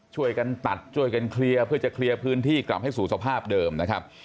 ช่วยกันตัดช่วยกันเคลียร์เพื่อจะเคลียร์พื้นที่กลับให้สู่สภาพเดิมนะครับ